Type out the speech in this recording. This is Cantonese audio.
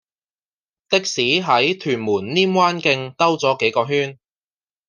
的士喺屯門稔灣徑兜左幾個圈